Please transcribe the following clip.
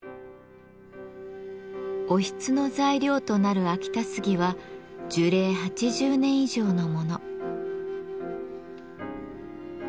おひつの材料となる秋田杉は樹齢８０年以上のもの。